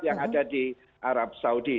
yang ada di arab saudi